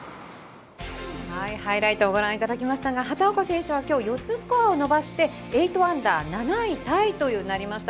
ハイライトご覧いただきましたが畑岡選手は今日４つスコアを伸ばして８アンダー７位タイとなりました。